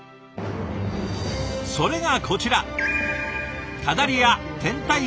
それがこちら。